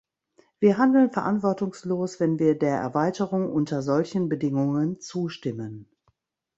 Wir handeln verantwortungslos, wenn wir der Erweiterung unter solchen Bedingungen zustimmen.